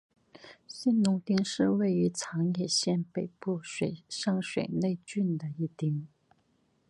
信浓町是位于长野县北部上水内郡的一町。